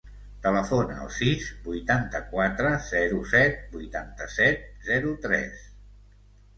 Telefona al sis, vuitanta-quatre, zero, set, vuitanta-set, zero, tres.